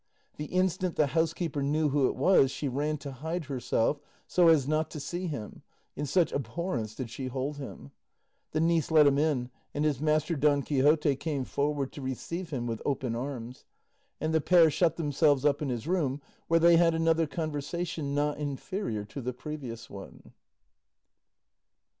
The instant the housekeeper knew who it was, she ran to hide herself so as not to see him; in such abhorrence did she hold him. The niece let him in, and his master Don Quixote came forward to receive him with open arms, and the pair shut themselves up in his room, where they had another conversation not inferior to the previous one.